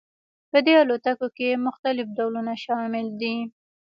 په دې الوتکو کې مختلف ډولونه شامل دي